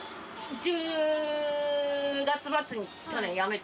１０月末に勤め辞めて。